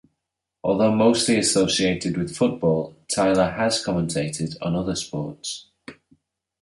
Although mostly associated with football, Tyler has commentated on other sports.